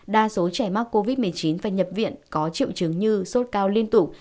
đa số trẻ mắc covid một mươi chín phải nhập viện có triệu chứng như sốt cao liên tục